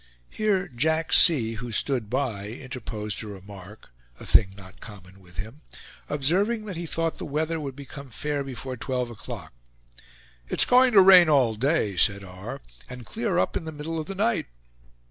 Here Jack C., who stood by, interposed a remark (a thing not common with him), observing that he thought the weather would become fair before twelve o'clock. "It's going to rain all day," said R., "and clear up in the middle of the night."